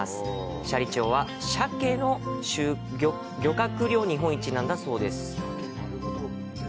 斜里町は、鮭の漁獲量日本一なんだそうです。